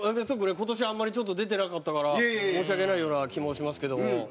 今年は、あんまりちょっと出てなかったから申し訳ないような気もしますけども。